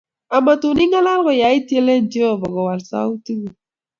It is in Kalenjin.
Amatun ingalal koyait yelet Jeova kowal sautik kuk